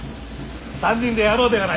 ３人でやろうではないか。